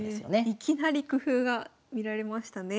いきなり工夫が見られましたね。